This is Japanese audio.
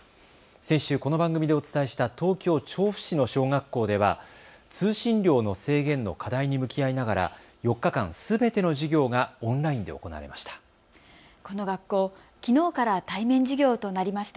先週、この番組でお伝えした東京調布市の小学校では通信量の制限の課題に向き合いながら４日間すべての授業がオンラインで行われました。